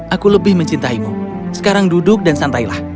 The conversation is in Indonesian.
aku lebih mencintaimu sekarang duduk dan santailah